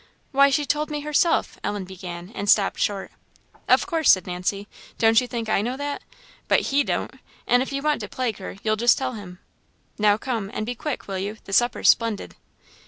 Why, she told me herself," Ellen began, and stopped short. "Of course!" said Nancy; "don't you think I know that? But he don't, and if you want to plague her, you'll just tell him. Now come, and be quick, will you? The supper's splendid."